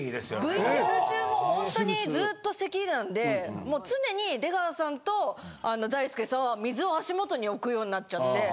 ＶＴＲ中もほんとにずっと咳なんでもう常に出川さんと大輔さんは水を足もとに置くようになっちゃって。